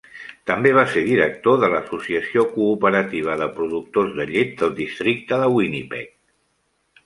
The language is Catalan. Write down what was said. També va ser director de la Associació Cooperativa de productors de llet del districte de Winnipeg.